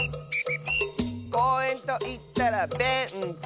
「こうえんといったらベンチ！」